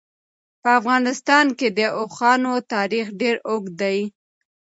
په افغانستان کې د اوښانو تاریخ ډېر اوږد دی.